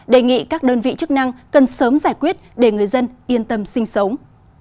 đề nghị các đơn vị chức năng cần sớm giải quyết để người dân yên tâm sinh sống